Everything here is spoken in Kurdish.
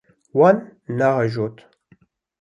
Wan neajot.